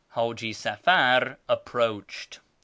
Haji Safar approached.